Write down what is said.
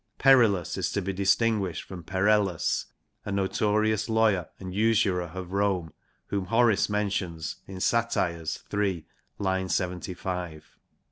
Perillus is to be distinguished from Perellus, a notorious lawyer and usurer of Rome, whom Horace mentions in Satires iii.